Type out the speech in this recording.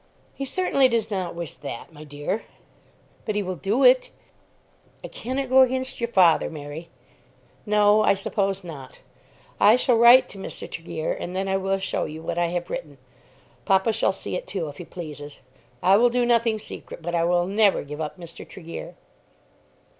"He certainly does not wish that, my dear." "But he will do it." "I cannot go against your father, Mary." "No, I suppose not. I shall write to Mr. Tregear, and then I will show you what I have written. Papa shall see it too if he pleases. I will do nothing secret, but I will never give up Mr. Tregear."